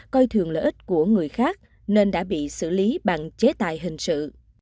coi thường lợi ích của người khác nên đã bị xử lý bằng chế tài hình sự